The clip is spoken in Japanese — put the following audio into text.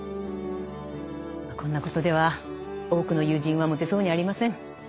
こんなことでは多くの友人は持てそうにありません。